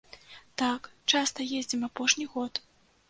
Так, часта ездзім апошні год.